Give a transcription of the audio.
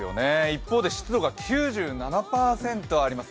一方で湿度が９７％あります。